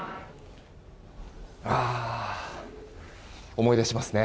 思い出しますね。